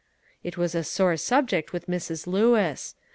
It was a sore subject with Mrs. Lewis.